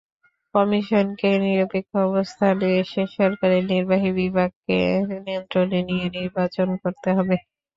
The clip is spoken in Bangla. কমিশনকে নিরপেক্ষ অবস্থানে এসে সরকারের নির্বাহী বিভাগকে নিয়ন্ত্রণে নিয়ে নির্বাচন করতে হবে।